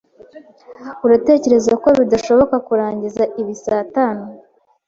Uratekereza ko bidashoboka kurangiza ibi saa tanu?